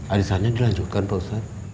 adik saya di lanjutkan pak ustadz